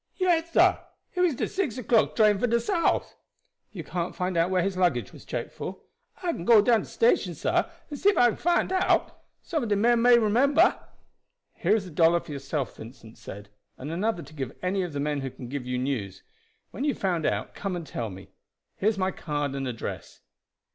"Yes, sah, it was de six o'clock train for de souf." "You can't find out wher his luggage was checked for?" "I can go down to station, sah, and see if I can find out. Some of de men dar may remember." "Here is a dollar for yourself," Vincent said, "and another to give to any of the men who can give you the news. When you have found out come and tell me. Here is my card and address."